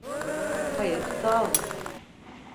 Hayır, sağ olun.